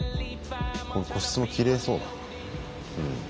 個室もきれいそうだな。